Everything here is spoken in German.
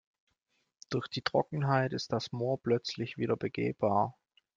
Durch die Trockenheit ist das Moor plötzlich wieder begehbar.